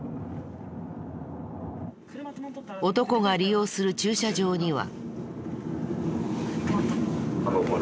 男が利用する駐車場には。